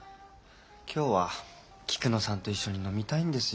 今日は菊野さんと一緒に飲みたいんですよ。